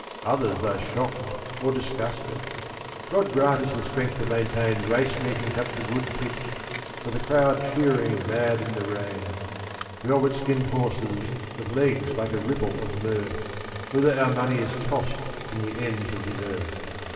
Others are Shocked, or disgusted : God grant us the strength to maintain Race meetings up to good pitch for the crowd cheering mad in the rain, Velvet skinned horses with legs like a ripple of mirth Whither our money is tossed from the ends of the earth.